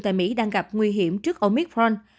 tại mỹ đang gặp nguy hiểm trước omicron